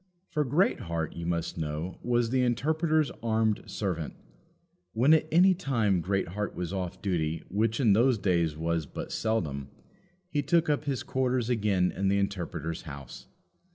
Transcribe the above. For Greatheart, you must know, was the Interpreter's armed servant. When at any time Greatheart was off duty, which in those days was but seldom, he took up his quarters again in the Interpreter's house.